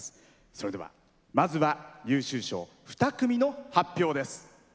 それでは、まずは、優秀賞２組の発表です。